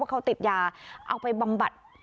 เขาติดยาเอาไปบำบัด